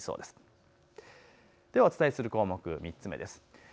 ではお伝えする項目、３つ目です。